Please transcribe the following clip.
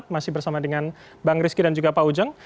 masih bersama dengan bang rizky dan juga pak ujang